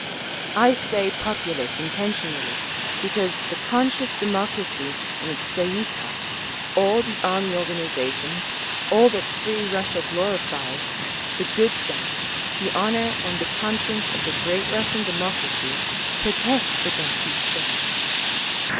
"I say 'populace' intentionally, because the conscious democracy and its Tsay ee kah, all the Army organisations, all that free Russia glorifies, the good sense, the honour and the conscience of the great Russian democracy, protests against these things….